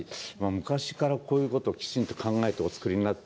昔から、こういうことをきちんと考えながらお作りになってた。